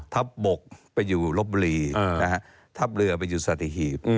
ทัพบกไปอยู่รบบรีทัพเรือไปอยู่สติหีฟ